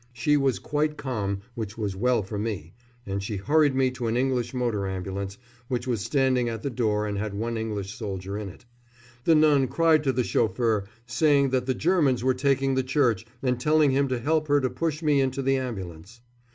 She was quite calm, which was well for me, and she hurried me to an English motor ambulance, which was standing at the door and had one English soldier in. The nun cried to the chauffeur, saying that the Germans were taking the church, and telling him to help her to push me into the ambulance.